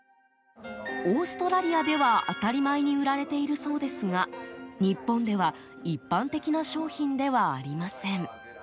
オーストラリアでは、当たり前に売られているそうですが日本では一般的な商品ではありません。